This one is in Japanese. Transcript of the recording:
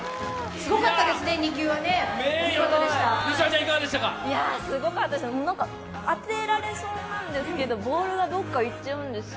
すごかったです、当てられそうなんですけどボールがどこかいっちゃうんですよ。